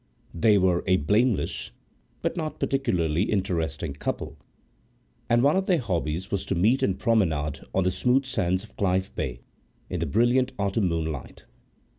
They were a blameless but not particularly interesting couple, and one of their hobbies was to meet and promenade on the smooth sands of Clyffe bay in the brilliant autumn moonlight.